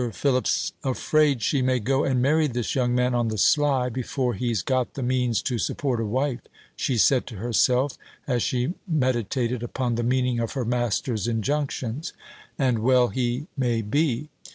Philip's afraid she may go and marry this young man on the sly, before he's got the means to support a wife," she said to herself, as she meditated upon the meaning of her master's injunctions; "and well he may be.